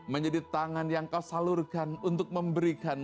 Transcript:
menjadi tangan yang kau salurkan untuk memberikan